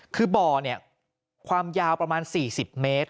คือบ่อเนี่ยความยาวประมาณ๔๐เมตร